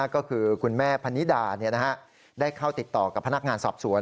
ก็คือคุณแม่พนิดาได้เข้าติดต่อกับพนักงานสอบสวน